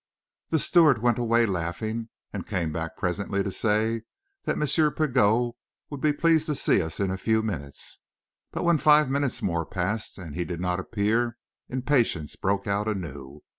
The steward went away laughing, and came back presently to say that M. Pigot would be pleased to see us in a few minutes. But when five minutes more passed and he did not appear, impatience broke out anew.